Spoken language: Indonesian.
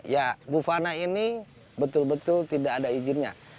ya bufana ini betul betul tidak ada izinnya